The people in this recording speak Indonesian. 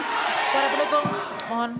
para pendukung mohon